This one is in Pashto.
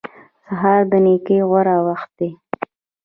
سهار د نېکۍ غوره وخت دی.